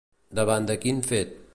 Davant de quin fet?